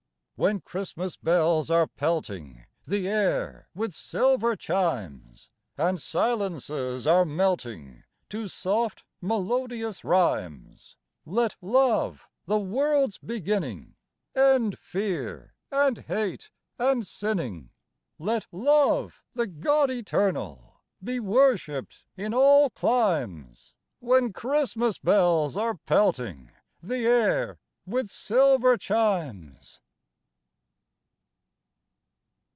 When Christmas bells are pelting the air with silver chimes, And silences are melting to soft, melodious rhymes, Let Love, the world's beginning, End fear and hate and sinning; Let Love, the God Eternal, be worshipped in all climes When Christmas bells are pelting the air with silver chimes.